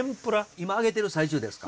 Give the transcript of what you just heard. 今揚げてる最中ですか？